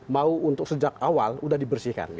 mau untuk sejak awal sudah dibersihkan